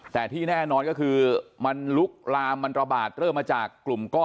แต่ที่แน่นอนก็คือมันลุกลามมันระบาดเริ่มมาจากกลุ่มก้อน